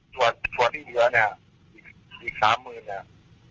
ส่วนที่เหลือเนี่ยอีกสามหมื่นเนี่ย